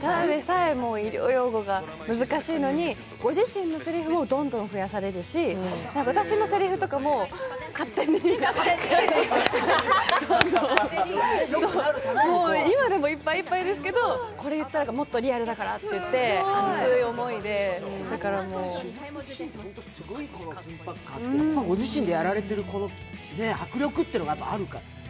ただでさえ医療用語が難しいのにご自身のせりふをどんどん増やされるし、私のせりふとかも、勝手に今でもいっぱいいっぱいですけど、これ言ったらリアルだからって熱い思いで、だからもうご自身でやられてる迫力というのがあるから。